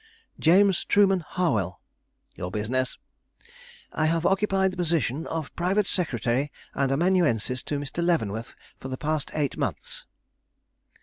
"James Trueman Harwell." "Your business?" "I have occupied the position of private secretary and amanuensis to Mr. Leavenworth for the past eight months."